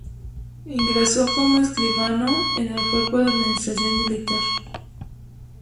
Ingresó como escribano en el Cuerpo de Administración Militar.